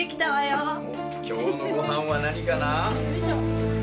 今日のごはんは何かな？